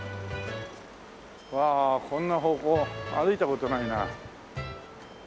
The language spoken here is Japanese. わあこんな方向歩いた事ないな。